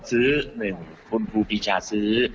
ซื้อหนึ่งคนภูพิชาซื้อ